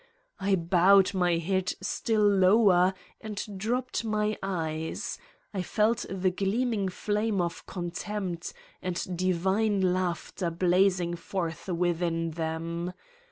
I bowed my head still lower and dropped my eyes : I felt the gleaming flame of contempt and divine laughter blazing forth within them.